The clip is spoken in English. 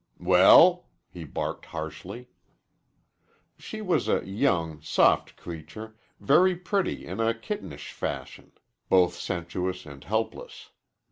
"Well," he barked harshly. She was a young, soft creature, very pretty in a kittenish fashion, both sensuous and helpless.